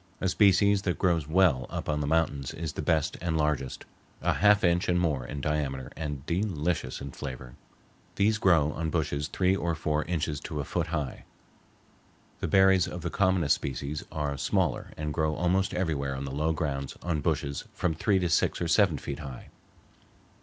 A species that grows well up on the mountains is the best and largest, a half inch and more in diameter and delicious in flavor. These grow on bushes three or four inches to a foot high. The berries of the commonest species are smaller and grow almost everywhere on the low grounds on bushes from three to six or seven feet high.